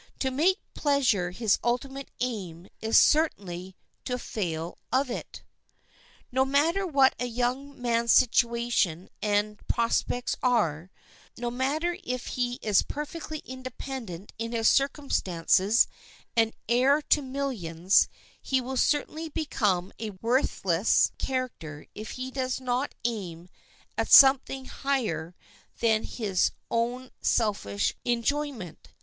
To make pleasure his ultimate aim is certainly to fail of it. No matter what a young man's situation and prospects are—no matter if he is perfectly independent in his circumstances and heir to millions—he will certainly become a worthless character if he does not aim at something higher than his own selfish enjoyment.